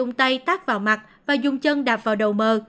hường đã dùng tay tác vào mặt và dùng chân đạp vào đầu m